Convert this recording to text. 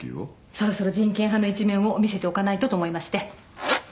そろそろ人権派の一面を見せておかないとと思いまして。